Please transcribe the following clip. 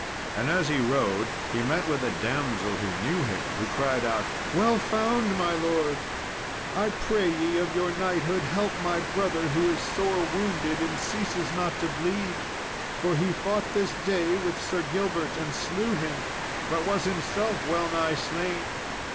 And as he rode, he met with a damsel who knew him, who cried out, "Well found, my lord! I pray ye of your knighthood help my brother, who is sore wounded and ceases not to bleed, for he fought this day with Sir Gilbert, and slew him, but was himself well nigh slain.